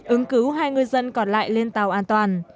ứng cứu hai ngư dân còn lại lên tàu an toàn